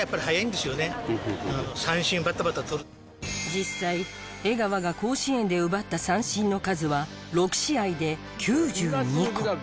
実際江川が甲子園で奪った三振の数は６試合で９２個。